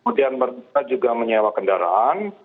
kemudian mereka juga menyewa kendaraan